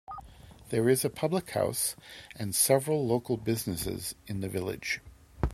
There is a public house and several local businesses in the village.